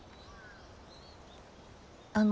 あの。